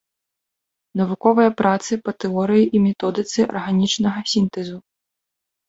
Навуковыя працы па тэорыі і методыцы арганічнага сінтэзу.